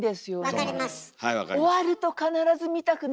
分かります。